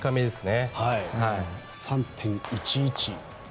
３．１１。